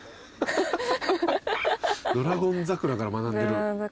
『ドラゴン桜』から学んでる。